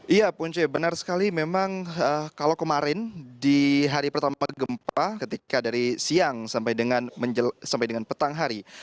iya punca benar sekali memang kalau kemarin di hari pertama gempa ketika dari siang sampai dengan petang hari